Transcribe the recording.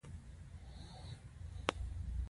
سړي بت مات کړ او طلا ترې راووته.